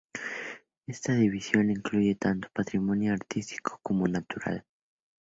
Esta división incluye tanto patrimonio artístico como natural.